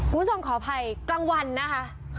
ผู้ชมขออภัยกลางวันนะคะ